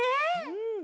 うん！